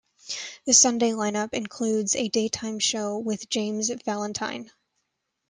The Sunday line-up includes a daytime show with James Valentine.